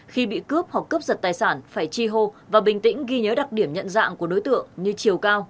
khi bị cướp hoặc cướp giật tài sản phải chi hô và bình tĩnh ghi nhớ đặc điểm nhận dạng của đối tượng như chiều cao